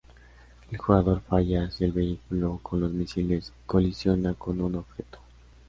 El jugador falla si el vehículo con los misiles colisiona con un objeto.